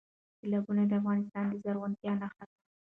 سیلابونه د افغانستان د زرغونتیا نښه ده.